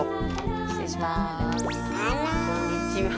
失礼します。